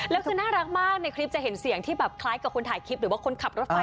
แล้วคือน่ารักมากในคลิปจะเห็นเสียงที่แบบคล้ายกับคนถ่ายคลิปหรือว่าคนขับรถไฟ